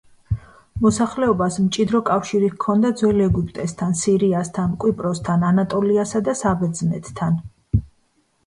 მოსახლეობას მჭიდრო კავშირი ჰქონდა ძველ ეგვიპტესთან, სირიასთან, კვიპროსთან, ანატოლიასა და საბერძნეთთან.